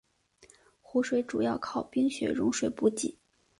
湖水主要靠冰雪融水补给。